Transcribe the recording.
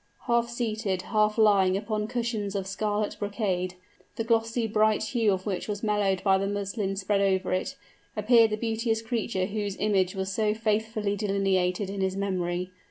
Half seated, half lying upon cushions of scarlet brocade, the glossy bright hue of which was mellowed by the muslin spread over it, appeared the beauteous creature whose image was so faithfully delineated in his memory.